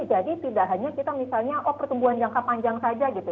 tidak hanya kita misalnya oh pertumbuhan jangka panjang saja gitu